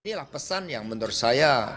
ini adalah pesan yang menurut saya